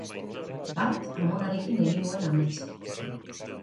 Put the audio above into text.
Bart amonarekin egin nuen amets.